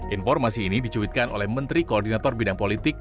informasi ini dicuitkan oleh menteri koordinator bidang politik